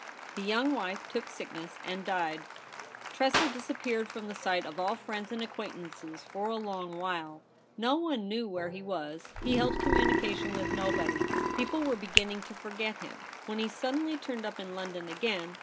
The young wife took sickness and died. Tressel dis MADAME SPINOLA AT HOME. 123 appeared from the sight of all friends and acquaintances for a long while. No one knew where he was ; he held communication with nobody. People were beginning to for get him, when he suddenly turned up in London again.